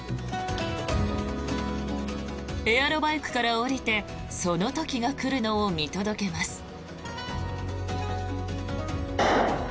エアロバイクから降りてその時が来るのを見届けます。